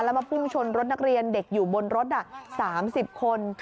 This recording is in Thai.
แล้วมาพุ่งชนรถนักเรียนเด็กอยู่บนรถ๓๐คน